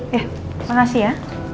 ya makasih ya